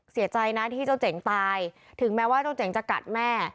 เสียใจนะที่เจ้าเจ๋งตายถึงแม้ว่าเจ้าเจ๋งจะกัดแม่